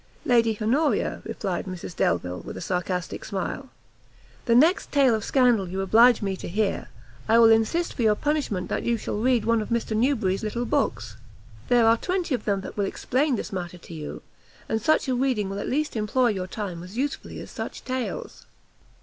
"Lady Honoria," replied Mrs Delvile, with a sarcastic smile, "the next tale of scandal you oblige me to hear, I will insist for your punishment that you shall read one of Mr Newbury's little books! there are twenty of them that will explain this matter to you, and such reading will at least employ your time as usefully as such tales!"